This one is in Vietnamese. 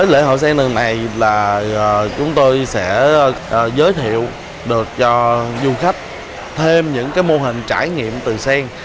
lễ hội sen lần này là chúng tôi sẽ giới thiệu được cho du khách thêm những mô hình trải nghiệm từ sen